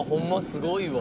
すごいわ。